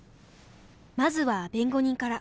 まずは弁護人から。